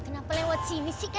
kenapa lewat sini sih